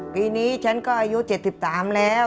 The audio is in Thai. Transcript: ปีนี้ฉันก็อายุ๗๓แล้ว